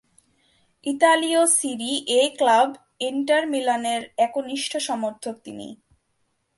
ইতালীয় Serie A club Inter মিলানের একনিষ্ঠ সমর্থক তিনি।